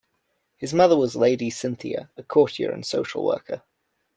His mother was Lady Cynthia, a courtier and social worker.